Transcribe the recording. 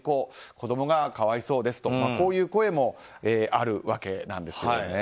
子供が可哀想ですという声もあるわけなんですね。